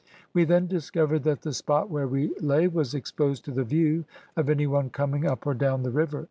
We then discovered that the spot where we lay was exposed to the view of any one coming up or down the river.